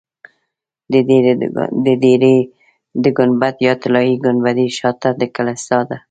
د ډبرې د ګنبد یا طلایي ګنبدې شاته د کلیسا ده.